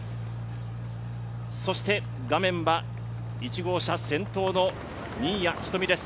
そして画面は１号車、先頭の新谷仁美です。